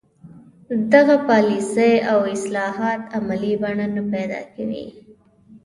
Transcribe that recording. دغه پالیسۍ او اصلاحات عملي بڼه نه پیدا کوي.